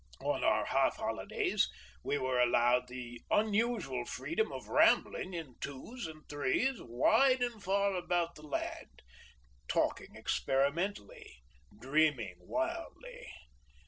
On our half holidays we were allowed the unusual freedom of rambling in twos and threes wide and far about the land, talking experimentally, dreaming wildly.